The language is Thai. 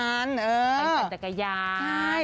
ปั่นจักรยาน